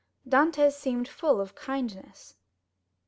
Dantès seemed full of kindness.